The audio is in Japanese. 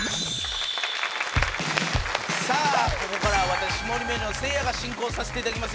さあここからは私霜降り明星のせいやが進行させていただきます。